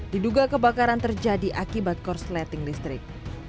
diduga kebakaran terjadi akibat korsleting listrik